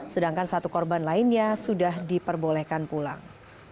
sedangkan satu korban lainnya sudah diperbolehkan pulang